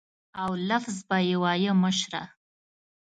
او لفظ به یې وایه مشره.